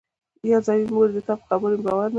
نازنين: مورې دتا په خبرو مې باور نه راځي.